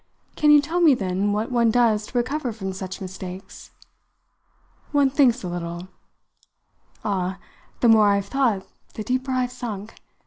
"Can you tell me then what one does to recover from such mistakes?" "One thinks a little." "Ah, the more I've thought the deeper I've sunk!